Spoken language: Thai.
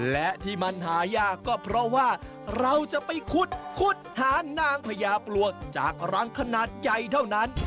และที่มันหายากก็เพราะว่าเราจะไปคุดหานางพญาปลวกจากรังขนาดใหญ่เท่านั้น